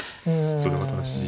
それは正しい。